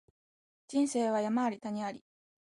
人生は山あり谷あり